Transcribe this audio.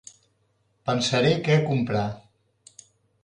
Pensaré què comprar.